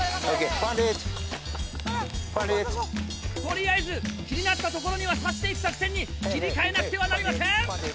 取りあえず気になった所にはさしていく作戦に切り替えなくてはなりません。